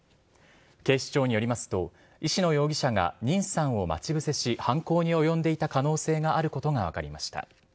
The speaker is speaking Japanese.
警視庁によりますと石野容疑者が任さんを待ち伏せし犯行に及んだ可能性があることが分かりました。